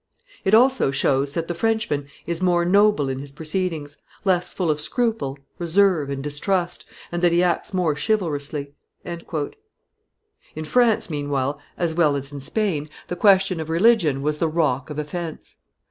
It also shows that the Frenchman is more noble in his proceedings, less full of scruple, reserve, and distrust, and that he acts more chivalrously." In France, meanwhile, as well as in Spain, the question of religion was the rock of offence.